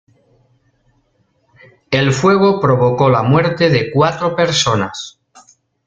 El fuego provocó la muerte de cuatro personas.